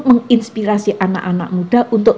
menginspirasi anak anak muda untuk